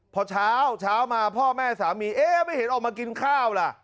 พอเช้าเช้ามาพ่อแม่สามีเอ๊ะไม่เห็นออกมากินข้าวล่ะ